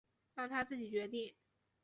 让他自己决定